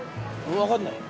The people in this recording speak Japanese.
わかんない。